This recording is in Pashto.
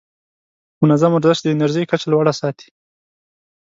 منظم ورزش د انرژۍ کچه لوړه ساتي.